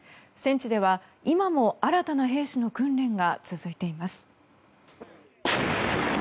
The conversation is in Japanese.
戦地では今も、新たな兵士の訓練が続いています。